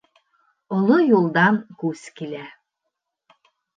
Оло юлдан күс килә